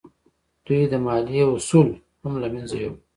دوی د مالیې اصول هم له منځه یوړل.